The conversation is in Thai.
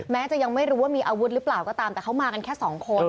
แม้จะยังไม่รู้ว่ามีอาวุธหรือเปล่าก็ตามแต่เขามากันแค่สองคน